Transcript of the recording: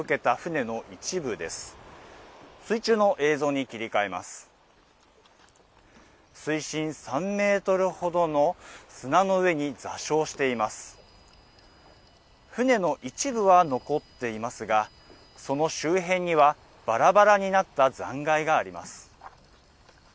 船の一部は残っていますが、その周辺にはばらばらになった残骸があります。